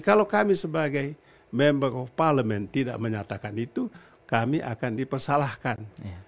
kalau kami sebagai member of parliament tidak menyatakan itu kami akan dipersalahkan